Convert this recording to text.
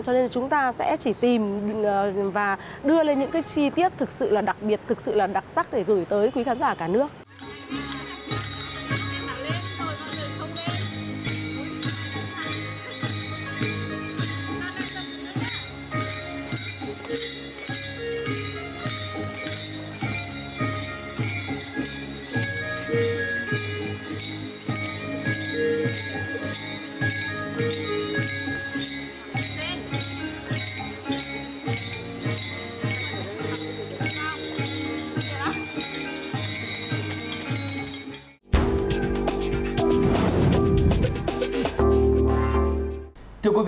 cho nên là chúng ta sẽ chỉ tìm và đưa lên những cái chi tiết thực sự là đặc biệt thực sự là đặc sắc để gửi tới quý khán giả cả nước